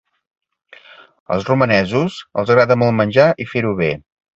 Als romanesos, els agrada molt menjar i fer-ho bé.